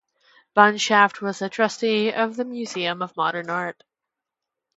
Bunshaft was a trustee of the Museum of Modern Art.